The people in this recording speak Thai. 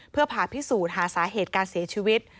เพื่อผ่าพิสูจน์หาสาเหตุการเสียชีวิต